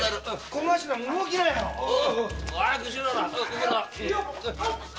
小頭も動きなよ！